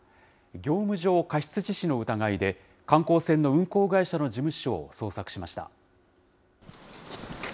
業務上過失致死の疑いで、観光船の運航会社の事務所を捜索しました。